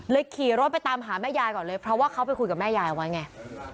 ขี่รถไปตามหาแม่ยายก่อนเลยเพราะว่าเขาไปคุยกับแม่ยายเอาไว้ไง